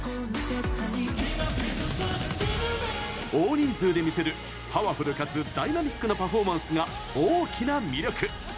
大人数で魅せるパワフルかつダイナミックなパフォーマンスが大きな魅力。